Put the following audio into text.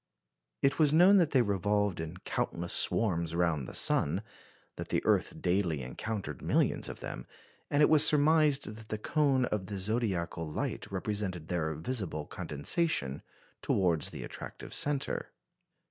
It was known that they revolved in countless swarms round the sun; that the earth daily encountered millions of them; and it was surmised that the cone of the zodiacal light represented their visible condensation towards the attractive centre.